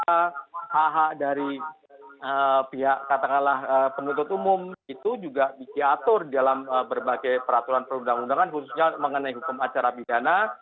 hak hak dari pihak katakanlah penuntut umum itu juga diatur dalam berbagai peraturan perundang undangan khususnya mengenai hukum acara pidana